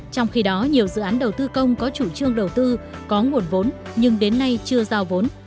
trong khi đó nhiều dự án đầu tư công có chủ trương đầu tư có nguồn vốn nhưng đến nay chưa giao vốn